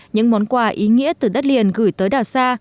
những món quà ý nghĩa từ đất liền gửi tới đảo xa